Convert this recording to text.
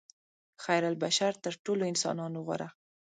خیرالبشر تر ټولو انسانانو غوره.